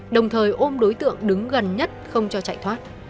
đồng thời ôm đối tượng đứng gần nhất không cho chạy thoát